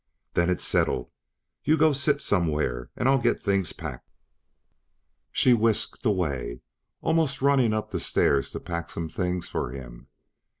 "Then it's settled. You go sit somewhere and I'll get things packed." She whisked away, almost running up the stairs to pack some things for him.